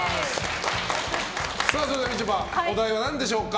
みちょぱ、お題は何でしょうか？